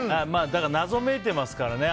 謎めいていますからね。